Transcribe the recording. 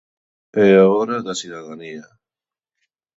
É a hora da cidadanía.